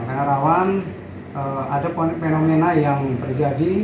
karena harawan ada fenomena yang terjadi